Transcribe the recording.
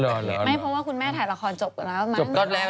ไม่เพราะว่าคุณแม่ถ่ายละครจบกันแล้วมั้ง